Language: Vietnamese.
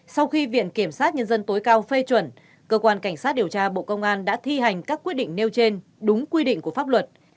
sau khi viện kiểm sát nhân dân tối cao phê chuẩn cơ quan cảnh sát điều tra bộ công an đã thi hành các quyết định nêu trên đúng quy định của pháp luật